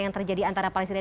yang terjadi antara palestina